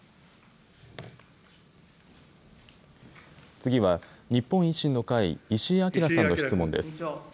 次は、日本維新の会、石井章さんの質問です。